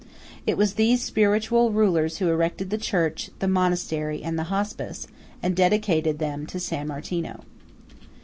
It was these spiritual rulers who erected the church, the monastery, and the Hospice, and dedicated them to San Martino.